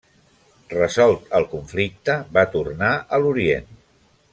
Resolt el conflicte, va tornar a l'Orient.